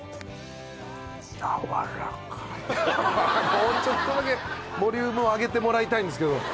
もうちょっとだけボリュームを上げてもらいたいんですけど。